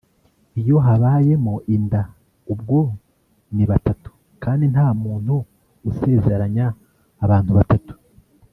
iyo habayemo inda ubwo ni batatu kandi nta muntu usezeranya abantu batatu